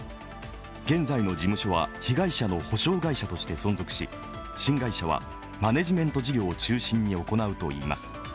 現在の事務所は被害者の補償会社として存続し、新会社はマネジメント事業を中心に行うといいます。